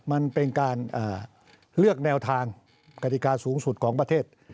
มันเป็นการเลือกแนวทางกฎิกาสูงสุดของประเทศ